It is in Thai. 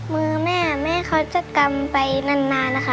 มือแม่แม่เขาจะกำไปนานนะคะ